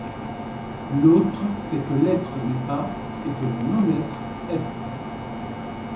L'autre c'est que l'être n'est pas et que le non-être est.